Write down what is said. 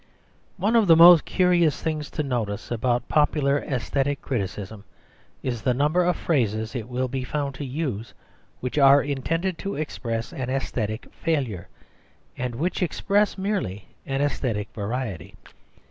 One of the most curious things to notice about popular æsthetic criticism is the number of phrases it will be found to use which are intended to express an æsthetic failure, and which express merely an æsthetic variety.